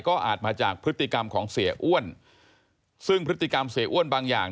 ก็อาจมาจากพฤติกรรมของเสียอ้วนซึ่งพฤติกรรมเสียอ้วนบางอย่าง